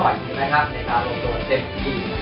เห็นไหมครับในการลงโดนเต็มที